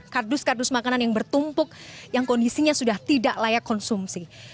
kardus kardus makanan yang bertumpuk yang kondisinya sudah tidak layak konsumsi